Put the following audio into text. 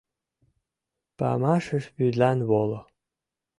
— Памашыш вӱдлан воло.